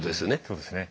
そうですね。